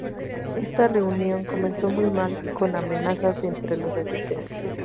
Esta reunión comenzó muy mal, con amenazas entre los asistentes.